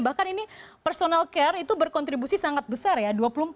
bahkan ini personal care itu berkontribusi sangat besar ya